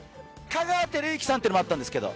香川照之さんというのもあったんですけど。